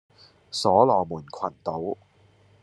所羅門群島